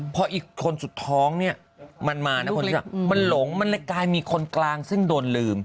พออีกคนสุดท้องเนี่ยมันมานะคนที่แบบมันหลงมันเลยกลายมีคนกลางซึ่งโดนลืม